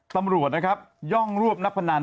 ตำรวจนะครับย่องรวบนักพนัน